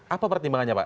apa pertimbangannya pak